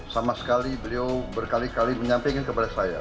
sama sekali beliau berkali kali menyampaikan kepada saya